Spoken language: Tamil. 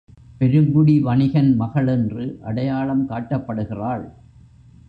பெருங்குடி வணிகன் மகள் என்று அடையாளம் காட்டப்படுகிறாள்.